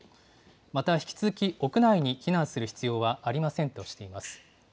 また、引き続き屋内に避難する必要はありませんとしています。